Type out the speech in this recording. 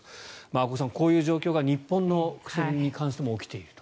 阿古さん、こういう状況が日本の薬に関しても起きていると。